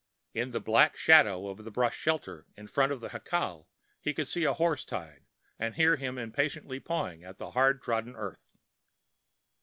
In the black shadow of the brush shelter in front of the jacal he could see a horse tied and hear him impatiently pawing the hard trodden earth.